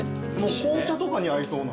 紅茶とかに合いそうな。